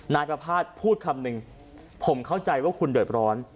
นายประภาษณ์พูดคำหนึ่งผมเข้าใจว่าคุณเดือดร้อน